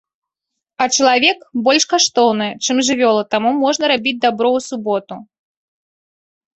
А чалавек больш каштоўны, чым жывёла, таму можна рабіць дабро ў суботу.